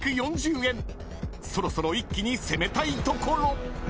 ［そろそろ一気に攻めたいところ］